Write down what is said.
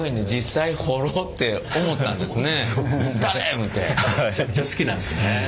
めちゃくちゃ好きなんですね。